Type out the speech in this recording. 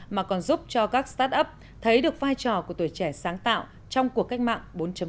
mà còn giúp cho các start up thấy được vai trò của tuổi trẻ sáng tạo trong cuộc cách mạng bốn